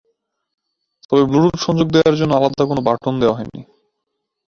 তবে ব্লুটুথ সংযোগ এর জন্য আলাদা কোন বাটন দেয়া হয়নি।